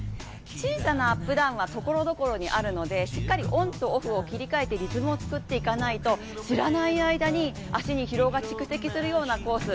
小さなアップダウンはところどころにあるので、しっかりオンとオフを切り替えてリズムを作っていかないと知らない間に足に疲れが蓄積されるようなコース。